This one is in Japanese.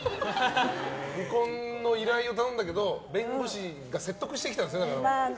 離婚の依頼を頼んだけど弁護士が説得してきたんですね。